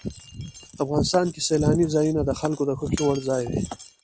افغانستان کې سیلانی ځایونه د خلکو د خوښې وړ ځای دی.